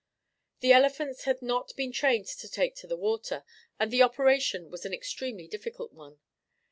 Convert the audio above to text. The elephants had not been trained to take to the water, and the operation was an extremely difficult one.